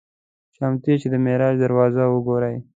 "چمتو یاست چې د معراج دروازه وګورئ؟"